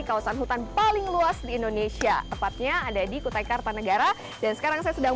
kawasan hutan paling luas di indonesia tepatnya ada di kutai kartanegara dan sekarang saya sedang